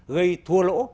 gây thua lỗ